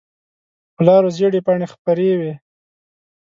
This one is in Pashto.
په لارو زېړې پاڼې خپرې وي